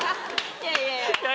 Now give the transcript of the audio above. いやいやいやいや。